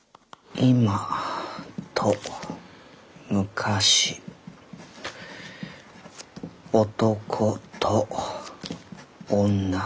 「今と昔男と女。